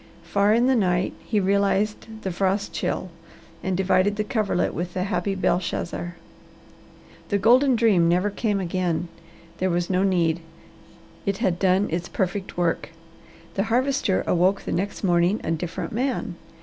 Far in the night he realized the frost chill and divided the coverlet with the happy Belshazzar. The golden dream never came again. There was no need. It had done its perfect work. The Harvester awoke the next morning a different man.